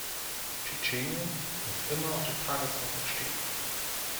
Tschetschenien muss immer auf der Tagesordnung stehen.